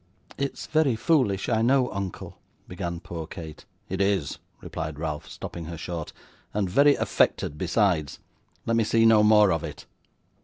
'It's very foolish, I know, uncle,' began poor Kate. 'It is,' replied Ralph, stopping her short, 'and very affected besides. Let me see no more of it.